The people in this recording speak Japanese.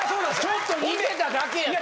ちょっと似てただけやん。